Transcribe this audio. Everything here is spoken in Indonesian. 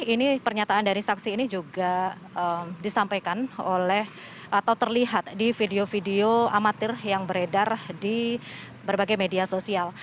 ini pernyataan dari saksi ini juga disampaikan oleh atau terlihat di video video amatir yang beredar di berbagai media sosial